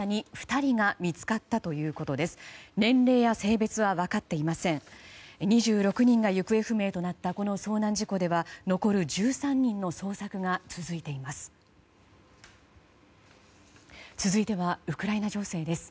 ２６人が行方不明となったこの遭難事故では残る１３人の捜索が続いています。